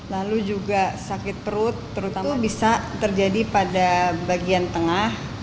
lalu juga sakit perut terutama bisa terjadi pada bagian tengah